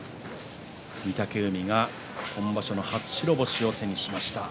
御嶽海が今場所の初白星を手にしました。